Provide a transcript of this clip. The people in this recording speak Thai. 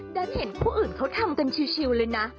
ได้เห็นคู่อื่นเขาทำกันชิลเลยนะ